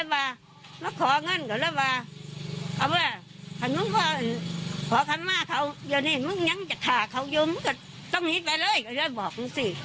วันนี้มึงยังจะฆ่าเขายังมึงก็ต้องหีดไปเลยก็เลยบอกนึงสิ